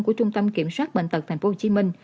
của trung tâm kiểm soát bệnh tật tp hcm